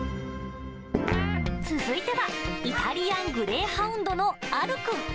続いてはイタリアングレーハウンドのアルくん。